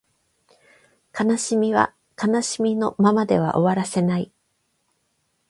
悲しみは悲しみのままでは終わらせない